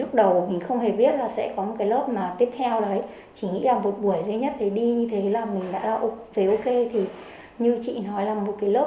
lúc đầu mình không hề biết là sẽ có một cái lớp mà tiếp theo đấy chỉ nghĩ là một buổi dễ nhất để đi